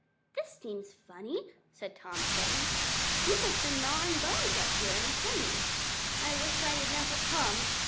"This seems funny," said Tom Kitten. "Who has been gnawing bones up here in the chimney? I wish I had never come!